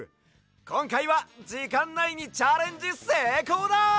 こんかいはじかんないにチャレンジせいこうだ！